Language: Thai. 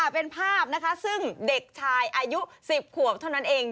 เป็นภาพนะคะซึ่งเด็กชายอายุ๑๐ขวบเท่านั้นเอง